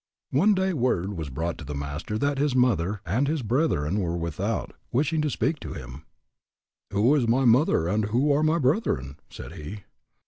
One day word was brought to the Master that his mother and his brethren were without, wishing to speak with him. Who is my mother and who are my brethren? said he.